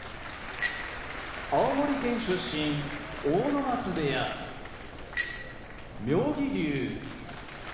青森県出身阿武松部屋妙義龍